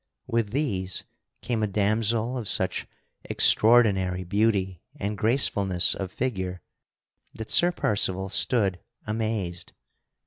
With these came a damsel of such extraordinary beauty and gracefulness of figure that Sir Percival stood amazed.